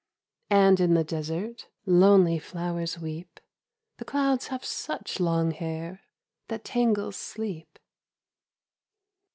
And in the desert, lonely flowers weep — The clouds have such long hair — that tangles Sleep.